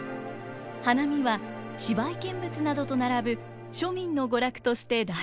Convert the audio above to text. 花見は芝居見物などと並ぶ庶民の娯楽として大人気に。